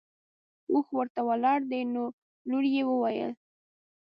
اوښ ورته ولاړ دی نو لور یې وویل.